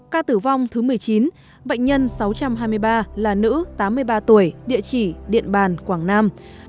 ca tử vong thứ một mươi chín bệnh nhân sáu trăm hai mươi ba là nữ tám mươi ba tuổi địa chỉ điện bàn quảng nam